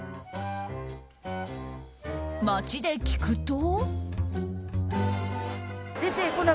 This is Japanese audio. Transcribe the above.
街で聞くと。